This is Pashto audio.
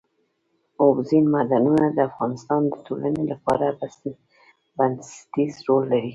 اوبزین معدنونه د افغانستان د ټولنې لپاره بنسټيز رول لري.